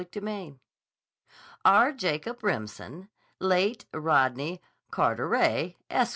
CHAPTER XIII R. JACOB REMSEN, late Rodney Carteret, Esq.